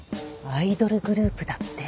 アイドルグループだって。